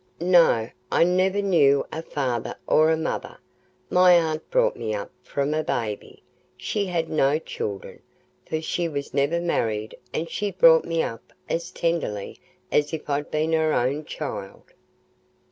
"No, I never knew a father or mother; my aunt brought me up from a baby. She had no children, for she was never married and she brought me up as tenderly as if I'd been her own child."